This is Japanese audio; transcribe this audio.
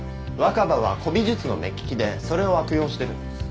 若葉は古美術の目利きでそれを悪用してる。